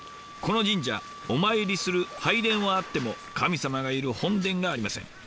この神社お参りする拝殿はあっても神様がいる本殿がありません。